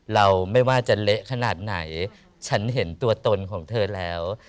เราไม่ว่าจะเละขนาดไหนฉันเห็นตัวตนของเธอแล้ว